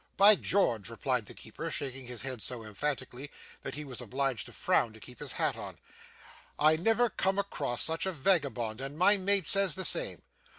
'By George!' replied the keeper, shaking his head so emphatically that he was obliged to frown to keep his hat on. 'I never come across such a vagabond, and my mate says the same.